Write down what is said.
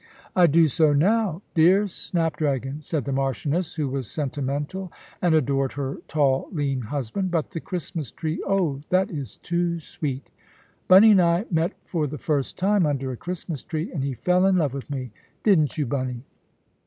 "I do so now dear snap dragon," said the Marchioness, who was sentimental and adored her tall lean husband; "but the Christmas tree oh, that is too sweet. Bunny and I met for the first time under a Christmas tree, and he fell in love with me. Didn't you, Bunny?"